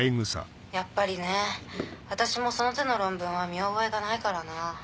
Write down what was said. やっぱりね私もその手の論文は見覚えがないからな。